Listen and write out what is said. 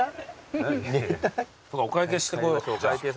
お会計してこよう。